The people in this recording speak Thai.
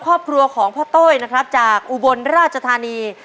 ครอบครัวของพ่อโต้ยนะครับจากอุบลราชธานี